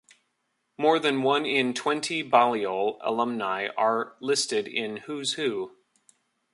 More than one in twenty Balliol alumni are listed in "Who's Who".